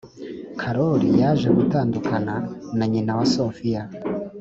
karori yaje gutandukana na nyina wa sofiya